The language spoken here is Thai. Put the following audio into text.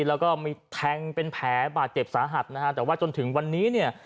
แล้วก็มีแทงเป็นแผลบาดเจ็บสาหัสนะฮะแต่ว่าจนถึงวันนี้เนี่ย